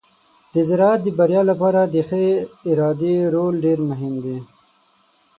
د زراعت د بریا لپاره د ښه ادارې رول ډیر مهم دی.